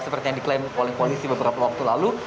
seperti yang diklaim oleh polisi beberapa waktu lalu